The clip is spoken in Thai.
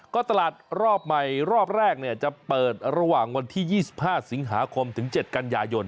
ก็ตลาดรอบใหม่รอบแรกจะเปิดระหว่างวันที่๒๕สิงหาคมถึง๗กันยายน